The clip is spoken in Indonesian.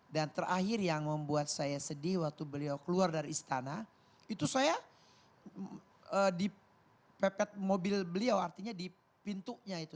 dan terakhir yang membuat saya sedih waktu beliau keluar dari istana itu saya di pepet mobil beliau artinya di pintunya itu